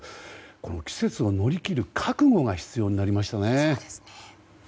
この季節を乗り切る覚悟が必要になりましたね。